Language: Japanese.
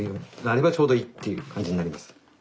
なればちょうどいいっていう感じになります。